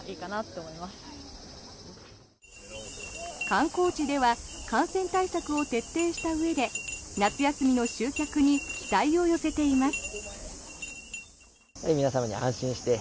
観光地では感染対策を徹底したうえで夏休みの集客に期待を寄せています。